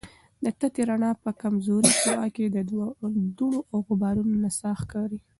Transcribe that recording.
د تتي رڼا په کمزورې شعاع کې د دوړو او غبارونو نڅا ښکاري.